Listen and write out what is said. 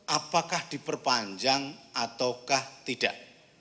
apakah diperpanjang ataukah tidak